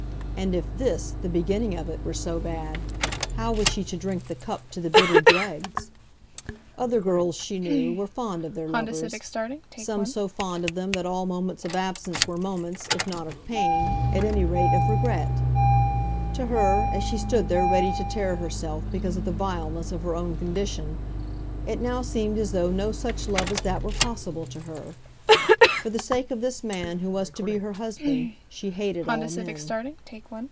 And if this, the beginning of it, were so bad, how was she to drink the cup to the bitter dregs? Other girls, she knew, were fond of their lovers, some so fond of them that all moments of absence were moments, if not of pain, at any rate of regret. To her, as she stood there ready to tear herself because of the vileness of her own condition, it now seemed as though no such love as that were possible to her. For the sake of this man who was to be her husband, she hated all men.